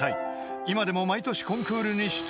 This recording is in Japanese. ［今でも毎年コンクールに出場］